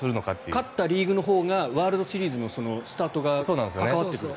勝ったリーグのほうがワールドシリーズのスタートに関わってくる。